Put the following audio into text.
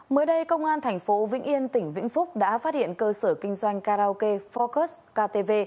mới đây công an thành phố vĩnh yên tỉnh vĩnh phúc đã phát hiện cơ sở kinh doanh karaoke focus ktv